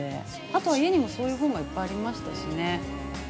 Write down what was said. あとは、家にもそういう本がいっぱいありましたしね。